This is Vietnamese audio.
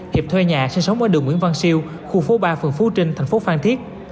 hiệp thuê nhà sinh sống ở đường nguyễn văn siêu khu phố ba phường phú trinh thành phố phan thiết